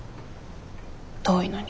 遠いのに。